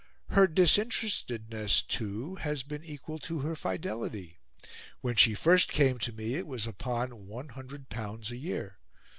Her disinterestedness, too, has been equal to her fidelity. When she first came to me it was upon L100 a year.